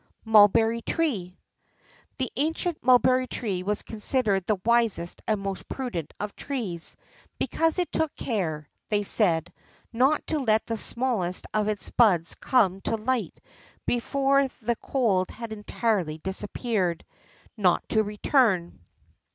MULBERRY TREE. The ancient mulberry tree was considered the wisest and most prudent of trees, because it took care, they said, not to let the smallest of its buds come to light before the cold had entirely disappeared, not to return.